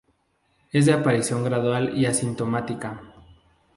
Es de aparición gradual y asintomática.